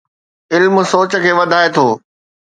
علم سوچ کي وڌائي ٿو.